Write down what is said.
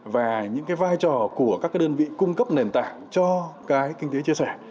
và những cái vai trò của các đơn vị cung cấp nền tảng cho cái kinh tế chia sẻ